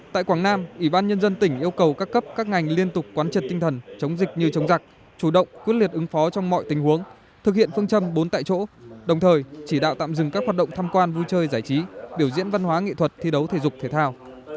tại quảng nam ủy ban nhân dân tỉnh yêu cầu các cấp các ngành liên tục quán triệt tinh thần chống dịch như chống giặc chủ động quyết liệt ứng phó trong mọi tình huống thực hiện phương châm bốn tại chỗ đồng thời chỉ đạo tạm dừng các hoạt động thăm quan vui chơi giải trí biểu diễn văn hóa nghệ thuật thi đấu thể dục thể thao